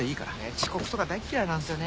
遅刻とか大嫌いなんすよね。